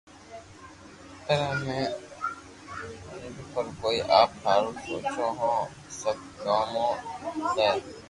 پر اپي ڪدي بو ڪوئئي آپ ھاارون سوچو ھين سب ڪومون نر